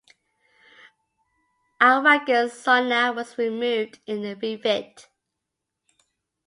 "Ouragan"s sonar was removed in the refit.